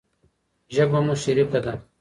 ژبه مو شريکه ده.